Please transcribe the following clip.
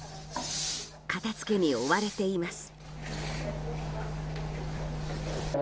片づけに追われています。